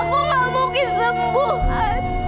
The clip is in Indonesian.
aku gak mungkin sembuh an